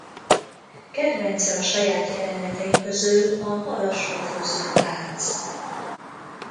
Kedvence a saját jelenetei közül a Halas pofozó-tánc.